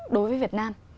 đối với việt nam